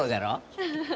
フフフ。